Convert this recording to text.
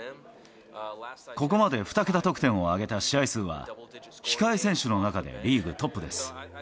ここまで２桁得点を挙げた試合数は、控え選手の中でリーグトップです。